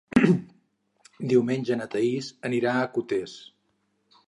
Diumenge na Thaís anirà a Cotes.